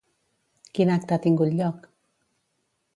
Quin acte ha tingut lloc?